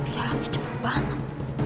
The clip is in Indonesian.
jalan dia cepet banget